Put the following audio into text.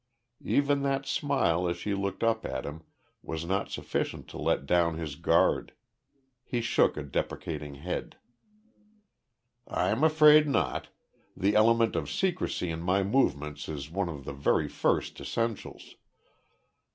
Even that smile as she looked up at him was not sufficient to let down his guard. He shook a deprecating head. "I'm afraid not. The element of secrecy in my movements is one of the very first essentials."